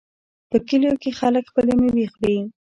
په کلیو کې خلک خپلې میوې خوري.